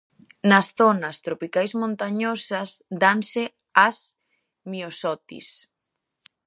Nas zonas tropicais montañosas danse as miosotis.